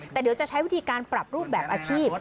แต่เดี๋ยวจะใช้วิธีการปรับรูปแบบอาชีพ